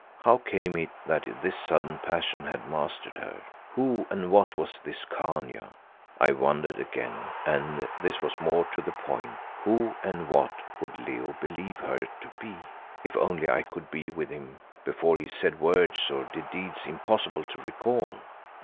How came it that this sudden passion had mastered her? Who and what was this Khania, I wondered again, and this was more to the point, who and what would Leo believe her to be? If only I could be with him before he said words or did deeds impossible to recall.